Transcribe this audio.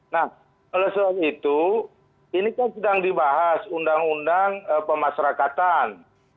nah oleh sebab itu ini kan sedang dibahas undang undang pemasarakatan